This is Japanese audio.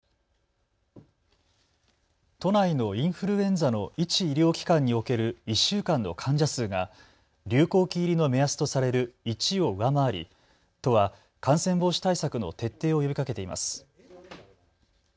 都内のインフルエンザの１医療機関における１週間の患者数が流行期入りの目安とされる１を上回り都は感染防止対策の徹底を呼びかけています。